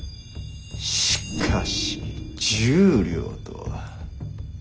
しかし１０両とは。